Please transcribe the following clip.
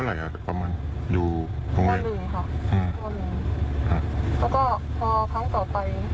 แล้วก็พอครั้งต่อไป